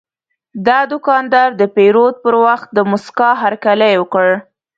دا دوکاندار د پیرود پر وخت د موسکا هرکلی وکړ.